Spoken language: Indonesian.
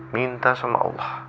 minta sama allah